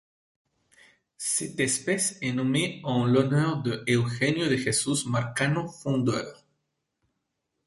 Cette espèce est nommée en l'honneur de Eugenio de Jesus Marcano Fondeur.